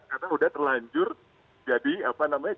karena udah terlanjur jadi apa namanya